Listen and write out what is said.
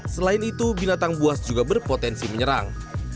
selain itu binatang buas juga berpotensi menyerang